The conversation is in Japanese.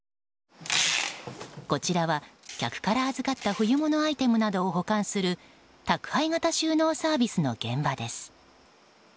こちらは、客から預かった冬物アイテムなどを保管する宅配型収納サービスの現場です。